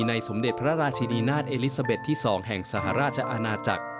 สมเด็จพระราชินีนาฏเอลิซาเบ็ดที่๒แห่งสหราชอาณาจักร